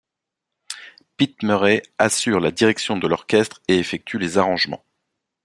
Pete Murray assure la direction de l'orchestre et effectue les arrangements.